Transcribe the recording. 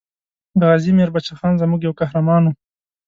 غازي میر بچه خان زموږ یو قهرمان وو.